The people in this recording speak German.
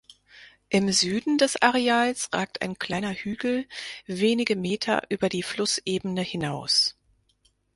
Im Süden des Areals ragt ein kleiner Hügel wenige Meter über die Flussebene hinaus.